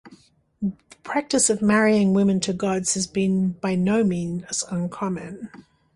The practice of marrying women to gods has been by no means uncommon.